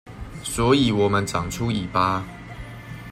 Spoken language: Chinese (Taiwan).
所以我們長出尾巴